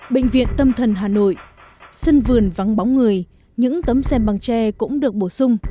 bệnh viện tâm thần hà nội sân vườn vắng bóng người những tấm xem bằng tre cũng được bổ sung